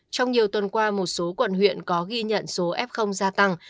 trong nhiều tuần qua một số quận huyện có ghi nhận số f gia tăng